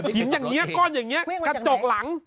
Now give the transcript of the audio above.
หินแบบนี้ก้อนอย่างเนี้ยกระจกหลัง